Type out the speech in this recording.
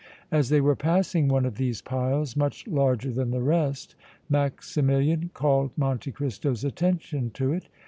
As they were passing one of these piles, much larger than the rest, Maximilian called Monte Cristo's attention to it.